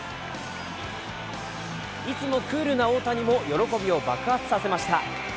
いつもクールな大谷も喜びを爆発させました。